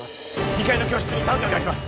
２階の教室に担架があります